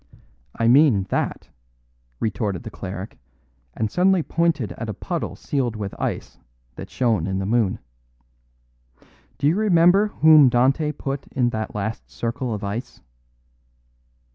"I mean that," retorted the cleric, and suddenly pointed at a puddle sealed with ice that shone in the moon. "Do you remember whom Dante put in the last circle of ice?"